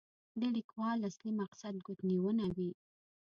د لیکوال اصلي مقصد ګوتنیونه وي.